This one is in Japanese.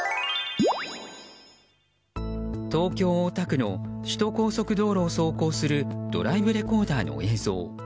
東京・大田区の首都高速道路を走行するドライブレコーダーの映像。